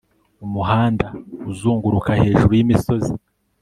Umuhanda uzunguruka hejuru yimisozi